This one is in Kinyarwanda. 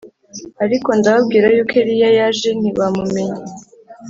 Ariko ndababwira yuko Eliya yaje ntibamumenya